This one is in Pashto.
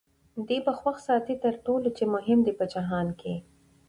دی به خوښ ساتې تر ټولو چي مهم دی په جهان کي